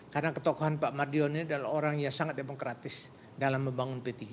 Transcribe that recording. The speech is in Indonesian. karena ketokohan pak mardion ini adalah orang yang sangat demokratis dalam membangun p tiga